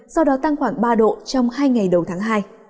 sau đó tăng khoảng ba độ trong hai ngày đầu tháng hai